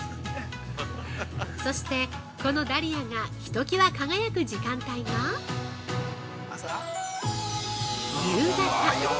そして、このダリアが一際輝く時間帯が、夕方。